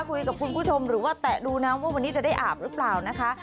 คุยกับคุณผู้ชมหรือว่าแตะดูนะว่าวันนี้จะได้อาบหรือเปล่านะคะ